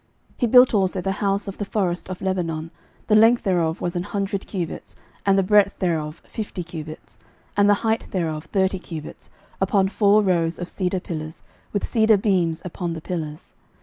11:007:002 He built also the house of the forest of Lebanon; the length thereof was an hundred cubits, and the breadth thereof fifty cubits, and the height thereof thirty cubits, upon four rows of cedar pillars, with cedar beams upon the pillars.